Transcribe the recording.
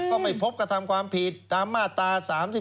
ก็ไม่พบกระทำความผิดตามมาตรา๓๔